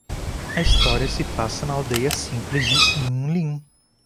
A história se passa na aldeia simples de Yunlin